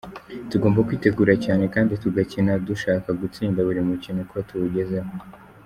Tugomba kwitegura cyane kandi tugakina dushaka gutsinda buri mukino uko tuwugezeho.